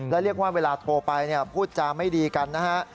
และเรียกว่าเวลาโทรไปพูดจาไม่ดีกันนะฮะ